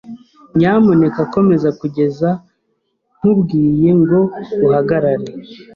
Nyamuneka komeza kugeza nkubwiye ngo uhagarare.